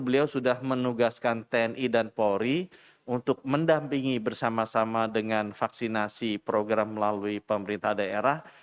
beliau sudah menugaskan tni dan polri untuk mendampingi bersama sama dengan vaksinasi program melalui pemerintah daerah